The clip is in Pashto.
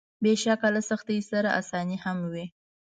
بېشکه له سختۍ سره اساني هم وي.